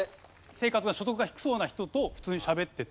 生活が所得が低そうな人と普通にしゃべってて。